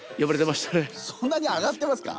そんなに上がってますか？